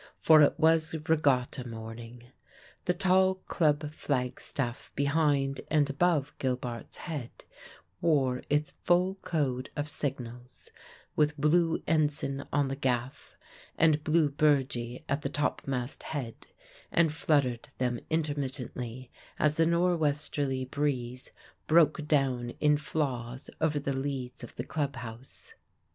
For it was regatta morning. The tall club flagstaff behind and above Gilbart's head wore its full code of signals, with blue ensign on the gaff and blue burgee at the topmast head, and fluttered them intermittently as the nor'westerly breeze broke down in flaws over the leads of the club house.